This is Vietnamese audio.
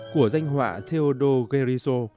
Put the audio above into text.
của danh họa theodo guerrizo